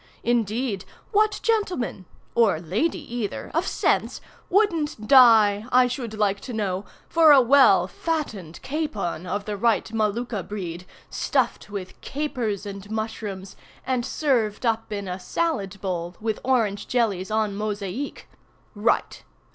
Indeed what gentleman (or lady either) of sense, wouldn't die, I should like to know, for a well fattened capon of the right Molucca breed, stuffed with capers and mushrooms, and served up in a salad bowl, with orange jellies en mosaïques. Write!